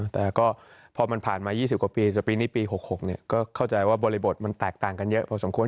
แต่ก็พอมันผ่านมา๒๐กว่าปีจะปีนี้ปี๖๖ก็เข้าใจว่าบริบทมันแตกต่างกันเยอะพอสมควร